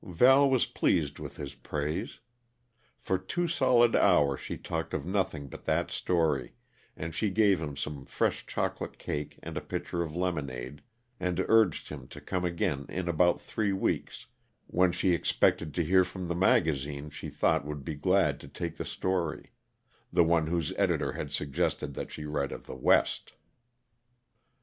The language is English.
Val was pleased with his praise. For two solid hours she talked of nothing but that story, and she gave him some fresh chocolate cake and a pitcher of lemonade, and urged him to come again in about three weeks, when she expected to hear from the magazine she thought would be glad to take the story; the one whose editor had suggested that she write of the West.